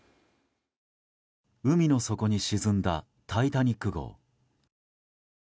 海の底に沈んだ「タイタニック号」。